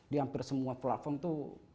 di hampir semua platform tuh